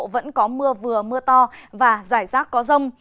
vẫn có mưa vừa mưa to và rải rác có rông